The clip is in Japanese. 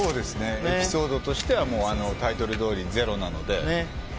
エピソードとしてはタイトルどおりゼロなので。